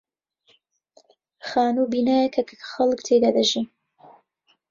خانوو بینایەکە کە خەڵک تێیدا دەژین.